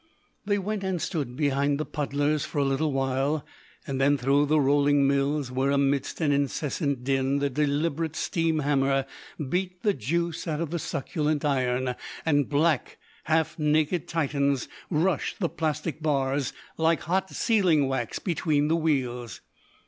They went and stood behind the puddlers for a little while, and then through the rolling mills, where amidst an incessant din the deliberate steam hammer beat the juice out of the succulent iron, and black, half naked Titans rushed the plastic bars, like hot sealing wax, between the wheels.